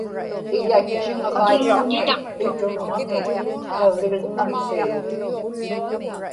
iḷatchiŋavaił̣ł̣uni qitunġaŋi naglignaqsirut